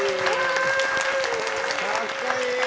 かっこいい！